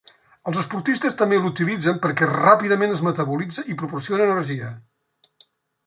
Els esportistes també l'utilitzen perquè ràpidament es metabolitza i proporciona energia.